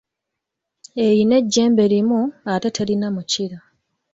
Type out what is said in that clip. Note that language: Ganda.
Eyina ejjembe limu, ate terina mukira.